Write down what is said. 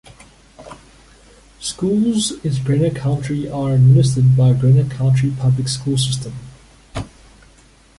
Schools is Greene County are administered by the Greene County Public School system.